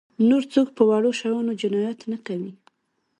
نور څوک په وړو شیانو جنایت نه کوي.